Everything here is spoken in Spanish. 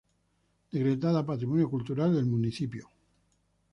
Decretada Patrimonio Cultural del Municipio Gral.